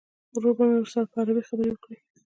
ورور به مې ورسره په عربي خبرې وکړي.